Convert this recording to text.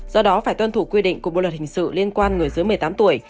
do đó phải tuân thủ quy định của bộ luật hình sự liên quan người dưới một mươi tám tuổi